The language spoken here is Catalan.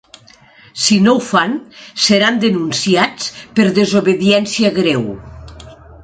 Si no ho fan, seran denunciats per ‘desobediència greu’.